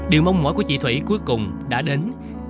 điều mong mỏi của chị thủy cuối cùng đã đến